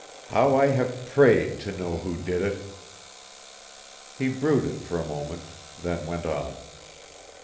how I have prayed to know who did it." He brooded for a moment, then went on.